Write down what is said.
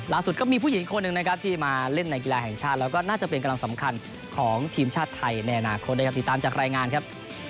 ก็มีผู้หญิงคนหนึ่งนะครับที่มาเล่นในกีฬาแห่งชาติแล้วก็น่าจะเป็นกำลังสำคัญของทีมชาติไทยในอนาคตนะครับติดตามจากรายงานครับ